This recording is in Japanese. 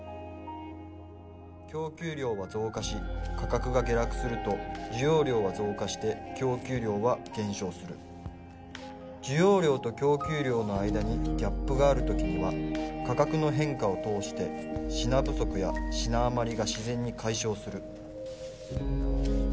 「供給量は増加し価格が下落すると需要量は増加して供給量は減少する」「需要量と供給量の間にギャップがある時には価格の変化を通して品不足や品余りが自然に解消する」